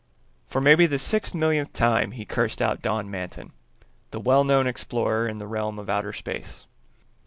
For maybe the six millionth time he cursed out Don Manton, the well known explorer in the realm of outer space.